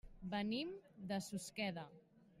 Venim de Susqueda.